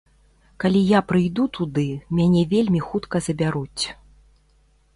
Калі я прыйду туды, мяне вельмі хутка забяруць.